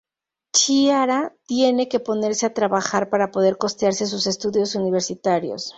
Chiara tiene que ponerse a trabajar para poder costearse sus estudios universitarios.